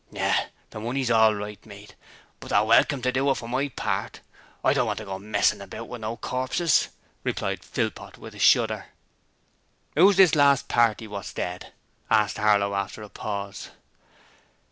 'Yes, the money's all right, mate, but they're welcome to it for my part. I don't want to go messin' about with no corpses,' replied Philpot with a shudder. 'Who is this last party what's dead?' asked Harlow after a pause.